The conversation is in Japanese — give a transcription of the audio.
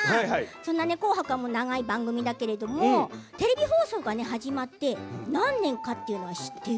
そんな「紅白」も長い番組だけれどテレビ放送が始まって何年かっていうの知ってる？